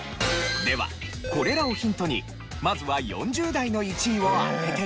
ではこれらをヒントにまずは４０代の１位を当てて頂きます。